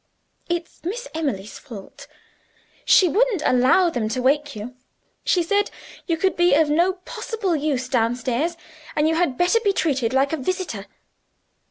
It's Miss Emily's fault. She wouldn't allow them to wake you; she said you could be of no possible use downstairs, and you had better be treated like a visitor.